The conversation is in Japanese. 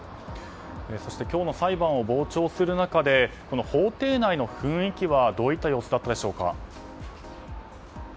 そして今日の裁判を傍聴する中で、法廷内の雰囲気はどういった様子でしたか。